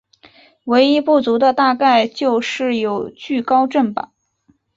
唯一不足的大概就是有惧高症吧。